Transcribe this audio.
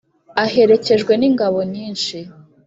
aherekejwe n’ingabo nyinshi.